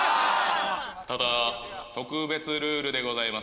ただ特別ルールでございます